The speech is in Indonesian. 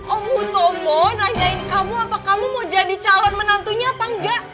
om bu tomo nanyain kamu apa kamu mau jadi calon menantunya apa enggak